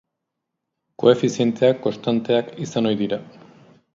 Koefizienteak konstanteak izan ohi dira.